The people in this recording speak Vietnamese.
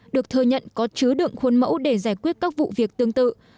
được thừa nhận có chứa đựng khuôn mẫu để giải quyết các vụ việc tương tự